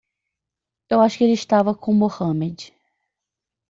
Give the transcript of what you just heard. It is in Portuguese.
Eu acho que ele estava com Mohamed.